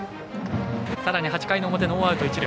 さらに８回の表ノーアウト、一塁。